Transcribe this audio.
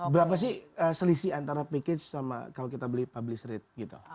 berapa sih selisih antara package sama kalau kita beli publish rate gitu